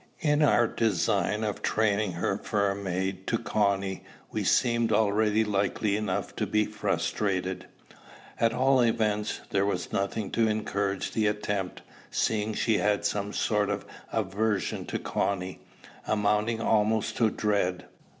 In our design of training her for a maid to Connie, we seemed already likely enough to be frustrated; at all events, there was nothing to encourage the attempt, seeing she had some sort of aversion to Connie, amounting almost to dread.